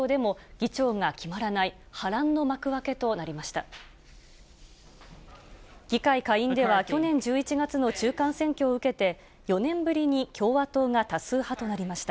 議会下院では、去年１１月の中間選挙を受けて、４年ぶりに共和党が多数派となりました。